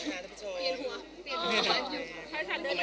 เอาไม่ลงไปน่ะคะท่านผู้ชม